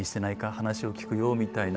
話を聞くよ」みたいな。